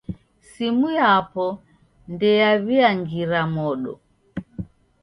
Simu yapo ndeyaw'iangira modo.